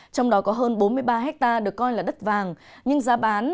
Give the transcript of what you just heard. trong đó có hơn bốn mươi ba ha được coi là đất vàng